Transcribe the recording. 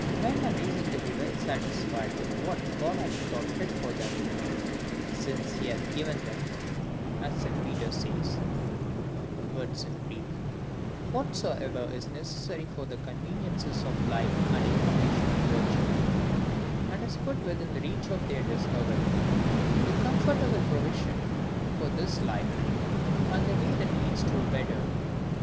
Men have reason to be well satisfied with what God hath thought fit for them, since he hath given them (as St. Peter says) [words in Greek], whatsoever is necessary for the conveniences of life and information of virtue; and has put within the reach of their discovery, the comfortable provision for this life, and the way that leads to a better.